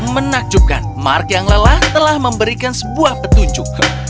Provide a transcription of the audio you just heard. menakjubkan mark yang lelah telah memberikan sebuah petunjuk